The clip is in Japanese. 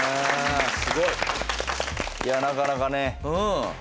すごい。いやなかなかね。